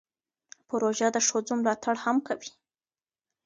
پروژه د ښځو ملاتړ هم کوي.